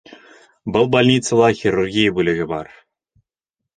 Был больницала хирургия бүлеге бар.